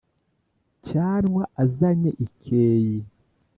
cyanwa azanye ikeyi